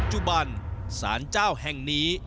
ปัจจุบันศาลเจ้าแห่งนี้